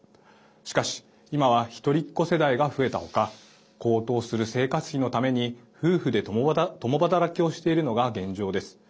しかし、今は一人っ子世代が増えた他高騰する生活費のために、夫婦で共働きをしているのが現状です。